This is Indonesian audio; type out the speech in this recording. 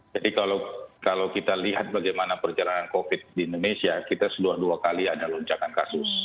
jadi kalau kita lihat bagaimana perjalanan covid di indonesia kita dua dua kali ada lonjakan kasus